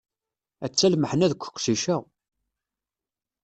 Atta lmeḥna deg uqcic-a!